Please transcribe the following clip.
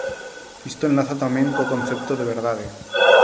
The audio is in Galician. Isto enlaza tamén co concepto de verdade.